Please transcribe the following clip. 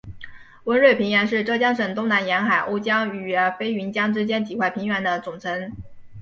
温瑞平原是浙江省东南沿海瓯江和飞云江之间几块平原的总称。